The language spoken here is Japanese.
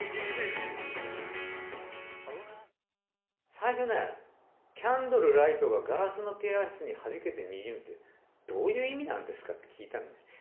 最初ね、キャンドルライトがガラスのピアスにはじけてにじむって、どういう意味なんですかって聞いたの。